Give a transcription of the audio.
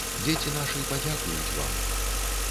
Дзеці нашы падзякуюць вам!